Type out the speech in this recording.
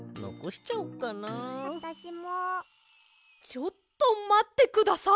ちょっとまってください！